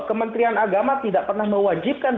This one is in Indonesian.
kementerian agama tidak pernah mewajibkan